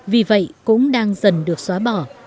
vì vậy cũng đang dần được xóa bỏ